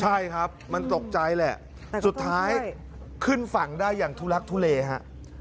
ใช่ครับมันตกใจแหละสุดท้ายขึ้นฝั่งได้อย่างทุลักทุเลฮะ